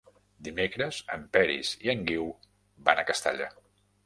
Dimecres en Peris i en Guiu van a Castalla.